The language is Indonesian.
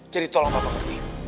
jadi tolong papa berhenti